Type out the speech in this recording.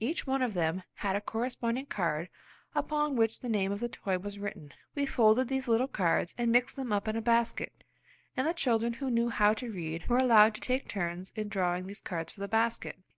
Each one of them had a corresponding card upon which the name of the toy was written. We folded these little cards and mixed them up in a basket, and the children who knew how to read were allowed to take turns in drawing these cards from the basket.